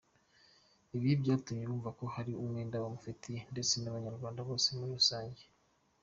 Ibi byatumye bumva ko hari umwenda bamufitiye ndetse n’Abanyarwanda bose muri rusange.